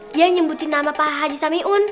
dia nyebutin nama pak haji samiun